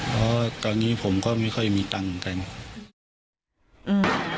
เพราะตอนนี้ผมก็ไม่ค่อยมีตังค์เหมือนกัน